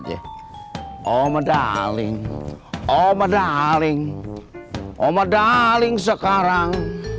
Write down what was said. oh medaling oh medaling oh medaling sekarang